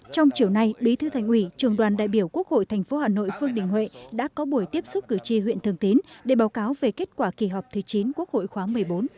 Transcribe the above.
trong chiều nay bí thư thành ủy trường đoàn đại biểu quốc hội tp hà nội phương đình huệ đã có buổi tiếp xúc cử tri huyện thường tín để báo cáo về kết quả kỳ họp thứ chín quốc hội khóa một mươi bốn